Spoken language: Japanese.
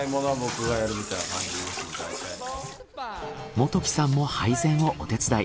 元希さんも配膳をお手伝い。